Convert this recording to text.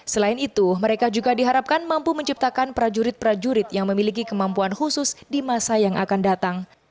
selain itu mereka juga diharapkan mampu menciptakan prajurit prajurit yang memiliki kemampuan khusus di masa yang akan datang